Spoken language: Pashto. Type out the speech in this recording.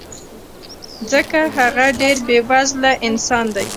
ځکه هغه ډېر بې وزله انسان دی